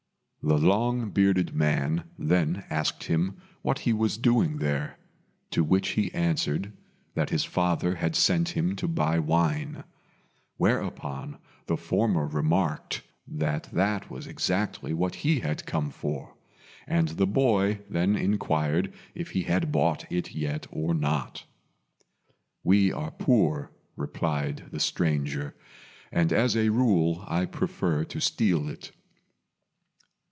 The long bearded man then asked him what he was doing there, to which he answered that his father had sent him to buy wine; whereupon the former remarked that that was exactly what he had come for, and the boy then inquired if he had bought it yet or not. "We are poor," replied the stranger, "and as a rule I prefer to steal it."